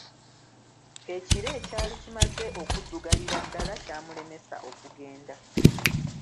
Ekire ekyali kimaze okuddugalira ddala kyamulemesa okugenda!